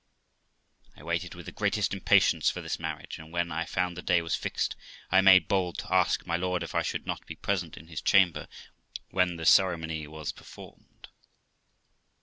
I waited with the greatest impatience for this marriage; and, when I found the day was fixed, I made bold to ask my lord if I should not be present in his chamber when the ceremony was performed.